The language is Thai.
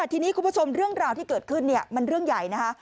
ทีนี้คุณผู้ชมเรื่องราวที่เกิดขึ้นมันเรื่องใหญ่นะคะ